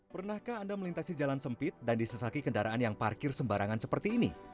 pernahkah anda melintasi jalan sempit dan disesaki kendaraan yang parkir sembarangan seperti ini